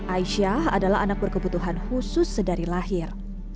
aisyah adalah anak berkebutuhan khusus sedari lahir